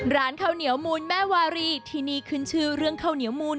ร้านข้าวเหนียวมูลแม่วารีที่นี่ขึ้นชื่อเรื่องข้าวเหนียวมูล